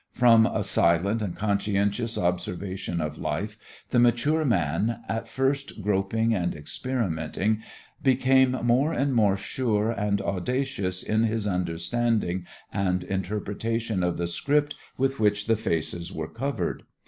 From a silent and conscientious observation of life, the mature man, at first groping and experimenting, became more and more sure and audacious in his understanding and interpretation of the script with which the faces were covered.